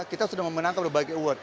kita sudah memenangkan berbagai award